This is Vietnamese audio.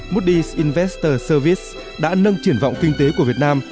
moody s invester service đã nâng triển vọng kinh tế của việt nam